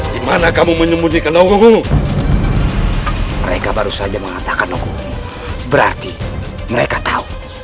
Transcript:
di mana kamu menyembunyikan logoku mereka baru saja mengatakan logo berarti mereka tahu